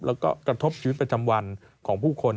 แล้วก็กระทบชีวิตประจำวันของผู้คน